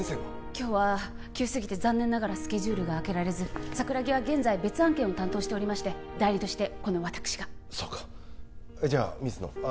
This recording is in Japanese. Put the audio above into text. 今日は急すぎて残念ながらスケジュールがあけられず桜木は現在別案件を担当しておりまして代理としてこの私がそうかじゃあ水野あ